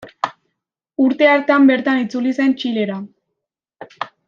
Urte hartan bertan itzuli zen Txilera.